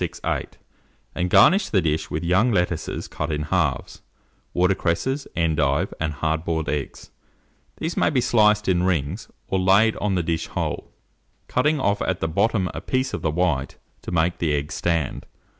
468, and garnish the dish with young lettuces cut in halves, water cresses, endive, and hard boiled eggs: these may be sliced in rings, or laid on the dish whole, cutting off at the bottom a piece of the white, to make the egg stand.